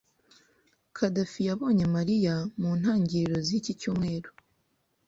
Khadafi yabonye Mariya mu ntangiriro ziki cyumweru.